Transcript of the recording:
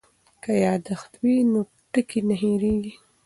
که یادښت وي نو ټکی نه هېریږي.